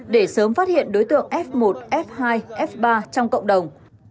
để sớm phát hiện đối tượng f một f hai f ba trong cộng đồng